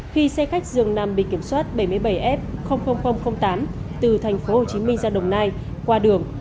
khi xe khách dường nằm bình kiểm soát bảy mươi bảy f tám từ thành phố hồ chí minh ra đồng nai qua đường